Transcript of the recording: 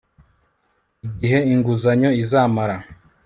igihe inguzanyo izamara